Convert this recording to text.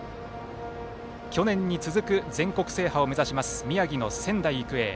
去年に続く全国制覇を目指します宮城の仙台育英。